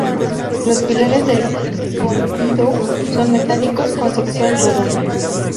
Los pilares del Pompidou son metálicos con sección redonda.